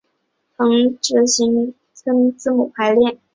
横直行都跟字母排列。